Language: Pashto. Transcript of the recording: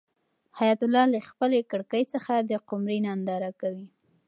حیات الله له خپلې کړکۍ څخه د قمرۍ ننداره کوي.